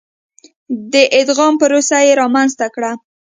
د ادغام پروسه یې رامنځته کړه.